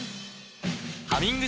「ハミング」